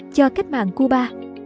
cho cách mạng cuba